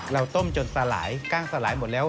เราต้มจนสลายกล้างสลายหมดแล้ว